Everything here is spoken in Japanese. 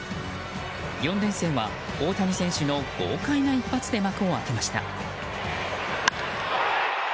４連戦は大谷選手の豪快な一発で幕を開けました。